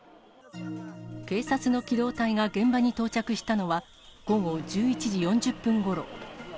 警察の機動隊が現場に到着したのは午後１１時４０分ごろ。